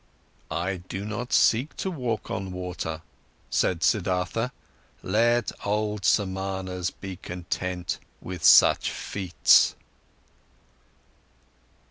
"I do not seek to walk on water," said Siddhartha. "Let old Samanas be content with such feats!"